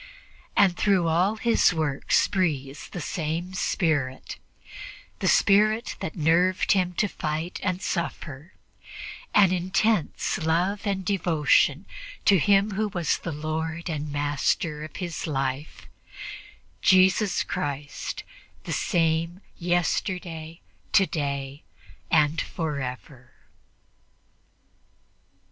And through all his works breathes the same spirit the spirit that nerved him to fight and suffer an intense love and devotion to Him who was the Lord and Master of his life Jesus Christ, the same yesterday, today and forever.